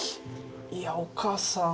いやお母さん。